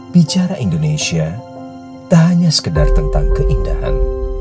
bicara indonesia tak hanya sekedar tentang keindahan